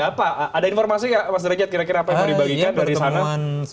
apa ada informasi nggak mas derajat kira kira apa yang mau dibagikan dari sana